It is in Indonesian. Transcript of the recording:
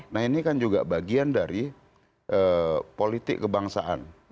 nah ini kan juga bagian dari politik kebangsaan